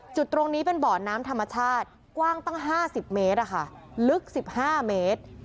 จุดตรงนี้เป็นบ่อน้ำธรรมชาติกว้างตั้ง๕๐เมตรลึก๑๕เมตร